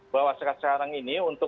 bahwa sekarang ini untuk